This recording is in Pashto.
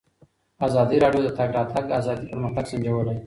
ازادي راډیو د د تګ راتګ ازادي پرمختګ سنجولی.